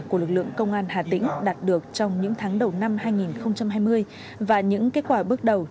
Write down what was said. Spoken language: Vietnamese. của lực lượng công an hà tĩnh đạt được trong những tháng đầu năm hai nghìn hai mươi và những kết quả bước đầu